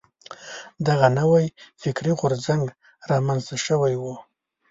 دغه نوی فکري غورځنګ را منځته شوی و.